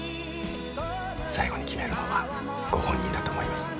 最後に決めるのはご本人だと思います。